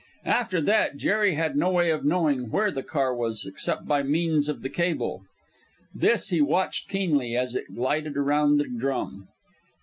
After that Jerry had no way of knowing where the car was except by means of the cable. This he watched keenly as it glided around the drum.